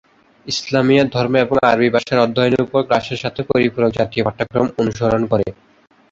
ইসলামিয়া ধর্ম এবং আরবি ভাষার অধ্যয়নের উপর ক্লাসের সাথে পরিপূরক জাতীয় পাঠ্যক্রম অনুসরণ করে।